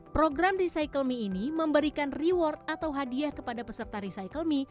program recycle me ini memberikan reward atau hadiah kepada peserta recycle me